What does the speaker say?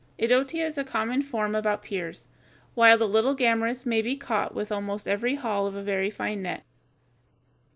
Idotea is a common form about piers, while the little Gammarus may be caught with almost every haul of a very fine net.